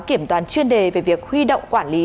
kiểm toán chuyên đề về việc huy động quản lý